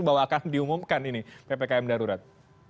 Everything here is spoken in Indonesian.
bahwa akan diumumkan ini ppkm darurat